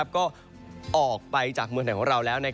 ก็ออกไปจากเมืองไทยของเราแล้ว